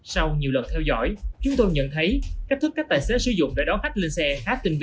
sau nhiều lần theo dõi chúng tôi nhận thấy cách thức các tài xế sử dụng để đón khách lên xe khác tình vi